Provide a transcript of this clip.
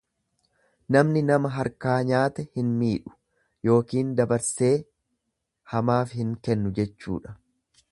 Namni nama harkaa nyaate hin miidhu yookiin dabarsee hamaaf hin kennu jechuudha.